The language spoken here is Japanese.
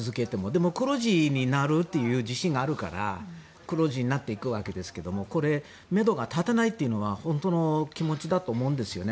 でも、黒字になるという自信があるから黒字になっていくわけですがめどが立たないというのが本当の気持ちだと思うんですね。